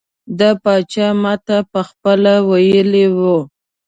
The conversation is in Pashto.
د پاچا ماته پخپله ویلي وو.